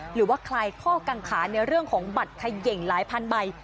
คลายข้อกังขาในเรื่องของบัตรเขย่งหลายพันใบ